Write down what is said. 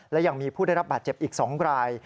และยังมีผู้ได้รับบาดเจ็บอีก๒ราย